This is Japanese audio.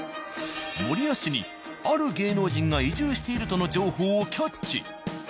守谷市にある芸能人が移住しているとの情報をキャッチ。